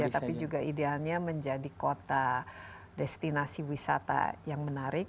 tapi juga idealnya menjadi kota destinasi wisata yang menarik